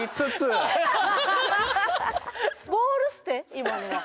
今のは。